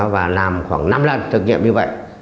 và làm khoảng năm lần thử nghiệm như vậy